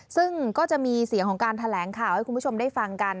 ซึ่งก็จะมีเสียงของการแถลงข่าวให้คุณผู้ชมได้ฟังกัน